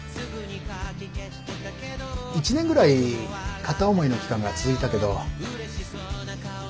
１年ぐらい片思いの期間が続いたけど。